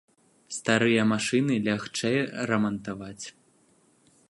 Старыя машыны лягчэй рамантаваць.